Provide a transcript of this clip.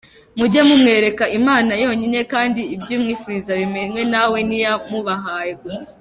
mujye mumwereka imana yonyine kndi ibyumwifuriza bimenywe nawe niya mubahaye gusa.